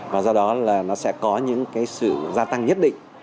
và do đó là nó sẽ có những cái sự gia tăng nhất định